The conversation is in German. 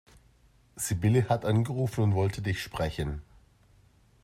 Sibylle hat angerufen und wollte dich sprechen.